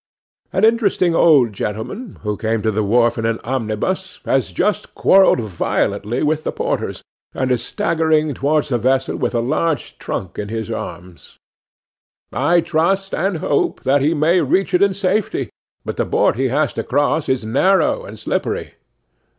'An interesting old gentleman, who came to the wharf in an omnibus, has just quarrelled violently with the porters, and is staggering towards the vessel with a large trunk in his arms. I trust and hope that he may reach it in safety; but the board he has to cross is narrow and slippery.